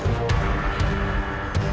sekarang kalian cepat pergi